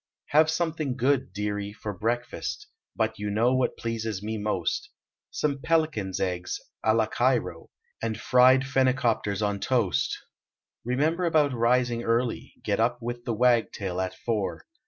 Have something good, dearie, for breakfast, But you know what pleases me most Some pelican s eggs, a la Cairo, And fried phenicopters on toast. Remember about rising early. Get up with the wagtail at four.